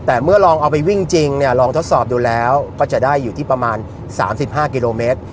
แต่เมื่อลองเอาไปวิ่งจริงเนี่ยลองทดสอบดูแล้วก็จะได้อยู่ที่ประมาณ๓๕กิโลเมตร